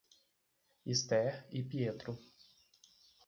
Esther e Pietro